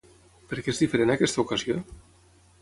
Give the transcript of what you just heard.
Per què és diferent aquesta ocasió?